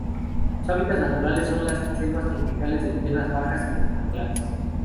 Sus hábitats naturales son las selvas tropicales de tierras bajas y los manglares.